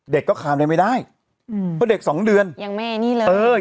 เด็กก็คามอะไรไม่ได้อืมเพราะเด็กสองเดือนยังไม่นี่เลยเออ